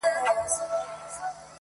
اوس ماشومان له تاریخونو سره لوبي کوي!